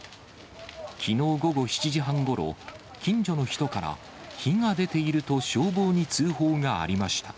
きのう午後７時半ごろ、近所の人から、火が出ていると、消防に通報がありました。